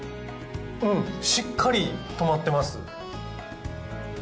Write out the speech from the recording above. うんしっかり留まってます。